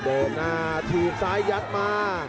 เดินหน้าถีบซ้ายยัดมา